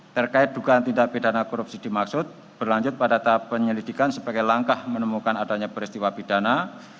terkait dugaan tindak pidana korupsi dimaksud berlanjut pada tahap penyelidikan sebagai langkah menemukan adanya peristiwa pidana